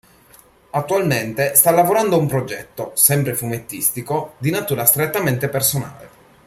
Attualmente sta lavorando a un progetto, sempre fumettistico, di natura strettamente personale.